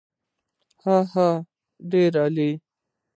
هاهاها ډېر عالي.